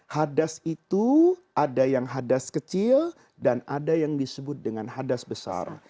hadas itu ada yang hadas kecil dan ada yang disebut dengan hadas besar